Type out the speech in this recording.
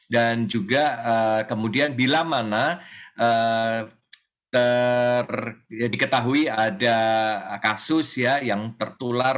dan juga kemudian bila mana diketahui ada kasus yang tertular